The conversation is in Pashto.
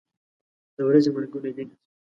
د ورځې مرګونه دي.